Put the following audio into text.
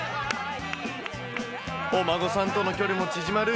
お孫さんとの距離も縮まる。